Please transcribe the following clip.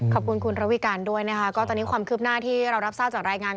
ขอบคุณคุณระวิการด้วยนะคะก็ตอนนี้ความคืบหน้าที่เรารับทราบจากรายงาน